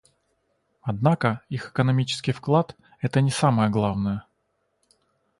Однако их экономический вклад — это не самое главное.